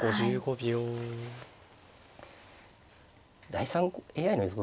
第３ＡＩの予想